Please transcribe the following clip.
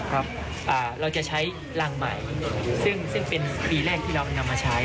เราจะใช้รังใหม่ซึ่งซึ่งเป็นปีแรกที่เรานำมาใช้